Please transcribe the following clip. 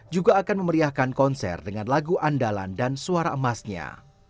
juga akan memeriahkan konser dengan lagu andalan dan suara emasnya